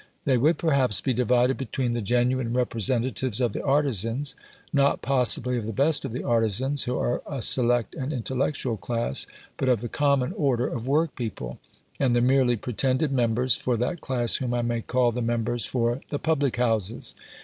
They would, perhaps, be divided between the genuine representatives of the artisans not possibly of the best of the artisans, who are a select and intellectual class, but of the common order of workpeople and the merely pretended members for that class whom I may call the members for the public houses.